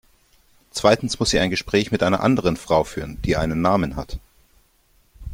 Zweitens muss sie ein Gespräch mit einer anderen Frau führen, die einen Namen hat.